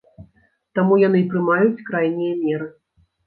Таму яны і прымаюць крайнія меры.